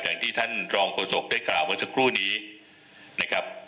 อย่างที่ท่านรองโฆษกได้กล่าวเมื่อสักครู่นี้นะครับ